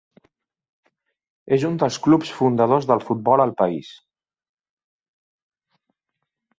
És un dels clubs fundadors del futbol al país.